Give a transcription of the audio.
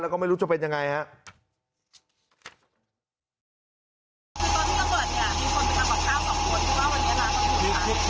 แล้วก็ไม่รู้จะเป็นยังไงฮะ